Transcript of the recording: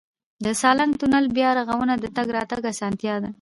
د سالنګ تونل بیا رغونه د تګ راتګ اسانتیا ده.